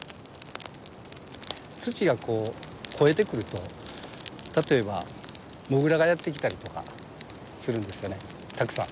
土が肥えてくると例えばモグラがやって来たりとかするんですよねたくさん。